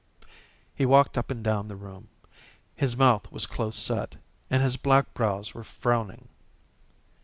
He walked up and down the room. His mouth was close set, and his black brows were frowning.